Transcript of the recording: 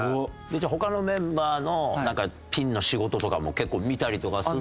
じゃあ他のメンバーのピンの仕事とかも結構見たりとかするの？